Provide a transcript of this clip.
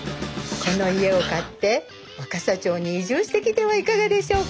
この家を買って若桜町に移住してきてはいかがでしょうか？